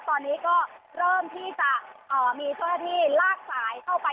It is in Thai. ตอนนี้ก็เริ่มที่จะมีเจ้าหน้าที่ลากสายเข้าไป